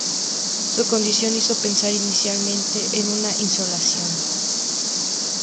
Su condición hizo pensar inicialmente en una insolación.